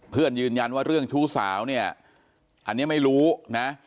ยืนยันว่าเรื่องชู้สาวเนี่ยอันนี้ไม่รู้นะ